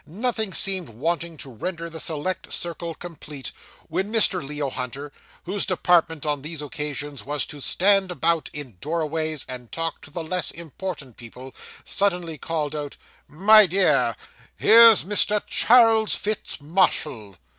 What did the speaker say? Nothing seemed wanting to render the select circle complete, when Mr. Leo Hunter whose department on these occasions, was to stand about in doorways, and talk to the less important people suddenly called out 'My dear; here's Mr. Charles Fitz Marshall.